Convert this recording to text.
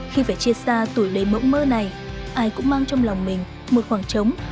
khi phải chia xa tuổi đầy mẫu mơ này ai cũng mang trong lòng mình một khoảng trống